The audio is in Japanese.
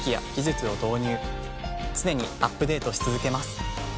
常にアップデートし続けます。